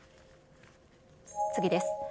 次です。